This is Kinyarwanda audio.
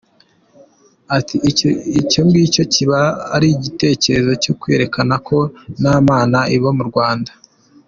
Ati “Icyo ngicyo kiba ari igitekerezo cyo kwerekana ko nta Mana iba mu Rwanda.